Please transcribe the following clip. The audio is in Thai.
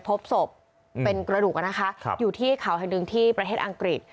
พบศพเป็นกระดูกนะคะอยู่ที่เขาแห่งหนึ่งที่ประเทศอังกฤษ